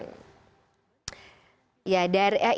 ini juga sudah dikatakan oleh pemilu terpercaya